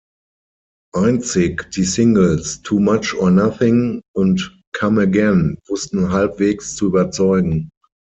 Einzig die Singles "Too Much or Nothing" und "Come Again" wussten halbwegs zu überzeugen.